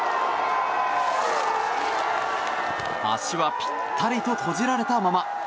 足はぴったりと閉じられたまま。